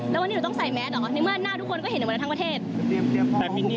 แล้ววันนี้หนูต้องใส่แมสเหรอ